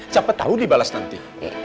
siapa tau dibalas nanti